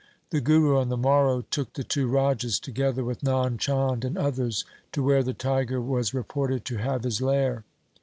The Guru on the morrow took the two Rajas, together with Nand Chand and others, to where the tiger was reported to have his lair.